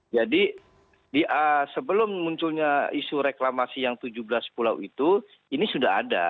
jadi sebelum munculnya isu reklamasi yang tujuh belas pulau itu ini sudah ada